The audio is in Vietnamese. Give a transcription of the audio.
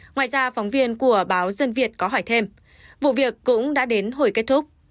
ngoài ra phóng viên của báo dân việt có hỏi thêm vụ việc cũng đã đến hồi kết thúc